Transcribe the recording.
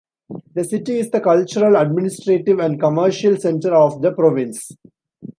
The city is the cultural, administrative and commercial center of the province.